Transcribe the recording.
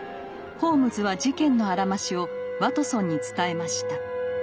ホームズは事件のあらましをワトソンに伝えました。